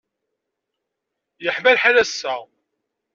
Yeḥma lḥal ass-a.